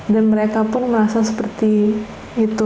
dan mereka pun merasa seperti itu